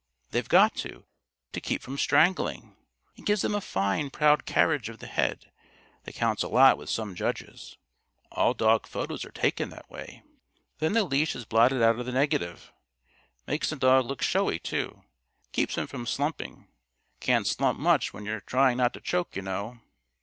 They've got to, to keep from strangling. It gives them a fine, proud carriage of the head, that counts a lot with some judges. All dog photos are taken that way. Then the leash is blotted out of the negative. Makes the dog look showy, too keeps him from slumping. Can't slump much when you're trying not to choke, you know."